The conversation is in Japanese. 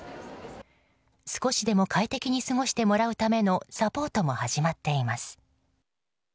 少しでも快適に過ごしてもらうためのサポートも始まっています。